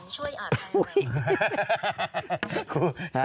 ฉันช่วยอาจารย์